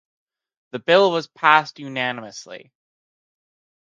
The Bill was passed unanimously.